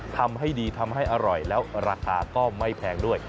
ทำให้ดีทำให้อร่อยแล้วราคาก็ไม่แพงด้วย